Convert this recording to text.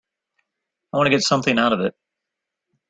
I want to get something out of it.